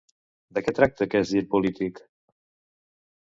De què tracta aquest gir polític?